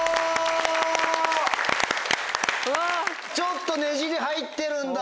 ちょっとねじり入ってるんだ！